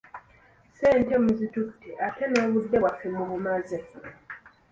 Ssente muzitutte, ate n'obudde bwaffe mubumaze.